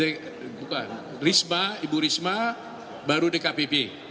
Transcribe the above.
eh bukan ibu risma baru dkpp